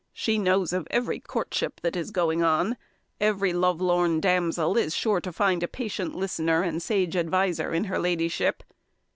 She knows of every courtship that is going on; every love lorn damsel is sure to find a patient listener and sage adviser in her ladyship.